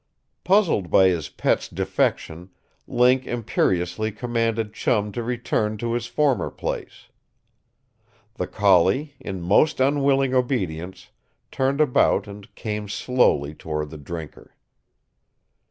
Puzzled by his pet's defection, Link imperiously commanded Chum to return to his former place. The collie, in most unwilling obedience, turned about and came slowly toward the drinker.